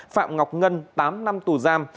phạm ngọc ngân tám năm tù giam